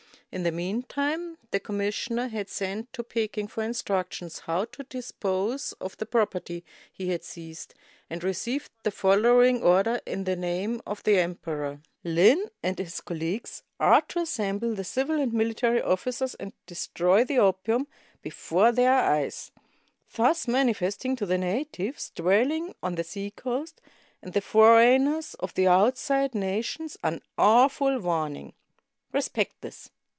In the mean time the commissioner had sent to Peking for instructions how to dispose of the property he had seized, and received the following order, in the name of the emperor: "Lin and his colleagues are to assemble the civil and military officers and destroy the opium be fore their eyes ; thus manifesting to the natives dwelUng on the seacoast and the foreigners of the outside nations an awful warning. Respect this.